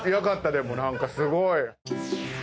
でも何かすごい。